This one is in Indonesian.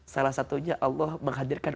salah satunya allah menghadirkan